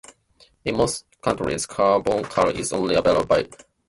In most countries carbachol is only available by prescription.